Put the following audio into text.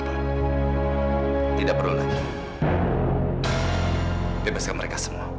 jadi kami bebas pak